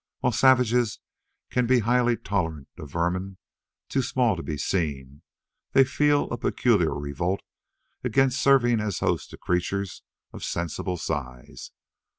While savages can be highly tolerant of vermin too small to be seen, they feel a peculiar revolt against serving as host to creatures of sensible size.